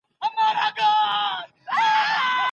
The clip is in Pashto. د استبداد پایله څه ده؟